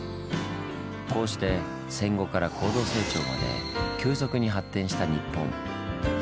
こうして戦後から高度成長まで急速に発展した日本。